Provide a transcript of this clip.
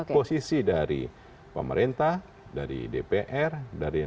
posisi dari pemerintah dari dpr